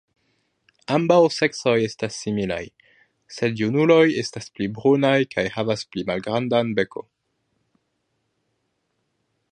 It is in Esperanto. Ambaŭ seksoj estas similaj, sed junuloj estas pli brunaj kaj havas pli malgrandan beko.